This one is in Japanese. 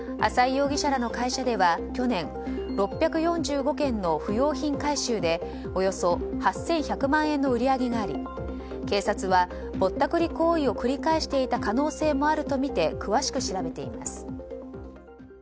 浅井容疑者らの会社では去年６４５件の不要品回収でおよそ８１００万円の売り上げがあり警察は、ぼったくり行為を繰り返していた可能性もあるとみて詳しく調べています。